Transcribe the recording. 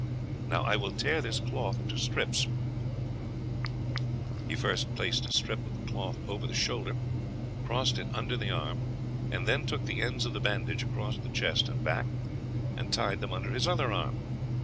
Now I will tear this cloth into strips." He first placed a strip of the cloth over the shoulder, crossed it under the arm, and then took the ends of the bandage across the chest and back, and tied them under his other arm.